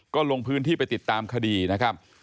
ก็ลงพื้นที่ไปติดตามคดีนะครับ